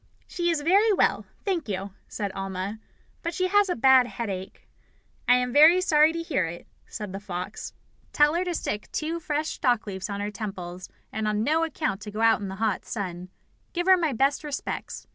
"She is very well, thank you," said Alma, "but she has a bad headache." "I am very sorry to hear it," said the fox. "Tell her to stick two fresh dock leaves on her temples, and on no account to go out in the hot sun. Give her my best respects.